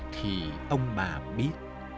thì ông bà biết